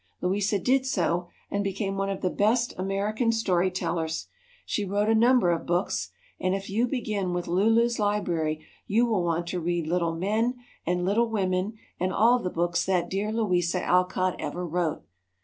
Louisa did so and became one of the best American story tellers. She wrote a number of books, and if you begin with Lulu's Library, you will want to read Little Men and Little Women and all the books that dear Louisa Alcott ever wrote.